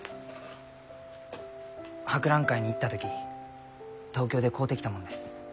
博覧会に行った時東京で買うてきたもんです。